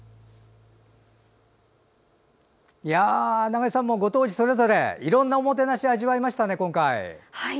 長井さん、ご当地それぞれいろんなおもてなしを味わいましたね、今回。